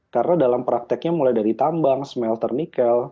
karena dalam prakteknya mulai dari tambang smelter nikel